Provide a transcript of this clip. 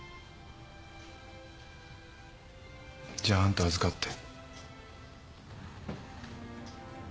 じゃああんた預かって。